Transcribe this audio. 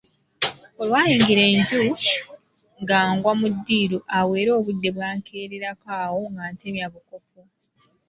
Olwayingira enju nga ngwa mu ddiiro awo era obudde bwankeererako awo nga ntemya bukofu.